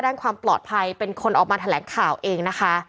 ด้านความปลอดภัยเป็นคนออกมาแถลงข่าวเองนะคะ